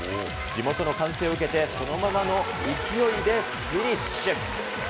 地元の歓声を受けて、そのままの勢いでフィニッシュ。